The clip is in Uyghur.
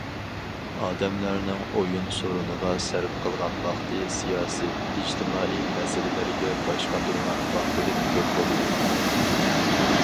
ئادەملەرنىڭ ئويۇن سورۇنىغا سەرپ قىلغان ۋاقتى سىياسىي، ئىجتىمائىي مەسىلىلەرگە باش قاتۇرغان ۋاقتىدىن كۆپ بولىدۇ.